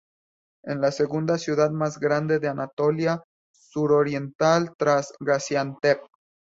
Es la segunda ciudad más grande de Anatolia Suroriental, tras Gaziantep.